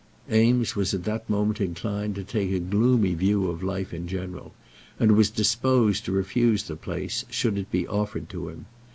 Eames was at that moment inclined to take a gloomy view of life in general, and was disposed to refuse the place, should it be offered to him.